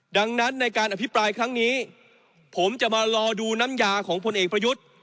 ดังนั้นในการอภิปรายครั้งนี้ผมจะมารอดูน้ำยาของพลเอกประยุทธ์